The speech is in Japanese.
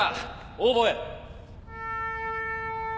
オーボエ。